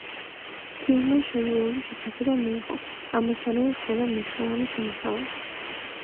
ფილმმა შერეული შეფასება მიიღო, ამასთანავე ჰქონდა მნიშვნელოვანი შემოსავალი.